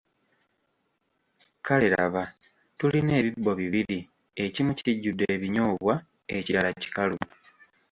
Kale laba: Tulina ebibbo bibiri, ekimu kijjude ebinyoobwa, ekirala kikalu.